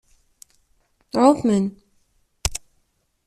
Ɛumen.